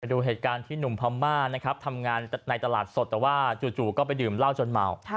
ดูเหตุการณ์ที่หนุ่มพม่านะครับทำงานในตลาดสดแต่ว่าจู่ก็ไปดื่มเหล้าจนเมา